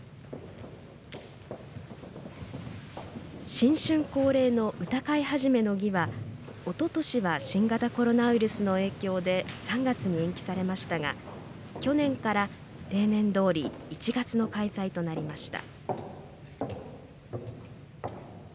新春恒例の歌会始の儀はおととしは新型コロナウイルスの影響で３月に延期されましたが去年から例年どおり１月の開催となりました。